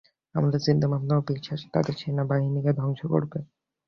আমাদের চিন্তাভাবনা, ও বিশ্বাস তাদের সেনাবাহিনীকে ধ্বংস করবে।